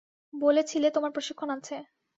বলেছিলে তোমার প্রশিক্ষণ আছে।